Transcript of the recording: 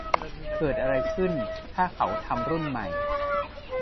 เกิดอะไรขึ้นถ้าเขาทำรุ่นใหม่